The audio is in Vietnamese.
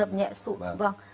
dập nhẹ sụn